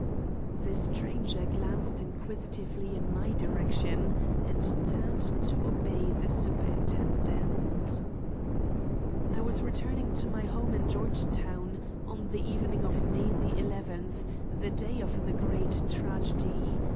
The stranger glanced inquisitively in my direction, and turned to obey the superintendent. "I was returning to my home in Georgetown, on the evening of May the eleventh, the day of the great tragedy.